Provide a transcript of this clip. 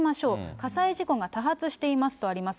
火災事故が多発していますとあります。